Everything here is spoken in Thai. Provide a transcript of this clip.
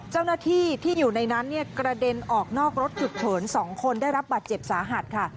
เจ้าหน้าที่ที่อยู่ในนั้นกระเด็นออกนอกรถฉุกเฉิน๒คนได้รับบาดเจ็บสาหัสค่ะ